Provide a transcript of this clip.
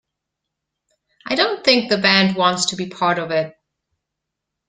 I don't think the band wants to be part of it.